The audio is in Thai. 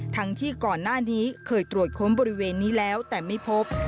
ทั้งที่ก่อนหน้านี้เคยตรวจค้นบริเวณนี้แล้วแต่ไม่พบ